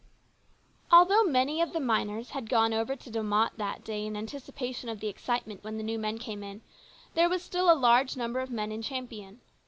Although many of the miners had gone over to De Mofct that day in anticipation of the excitement when the new men came in, there was still a large number of men in Champion.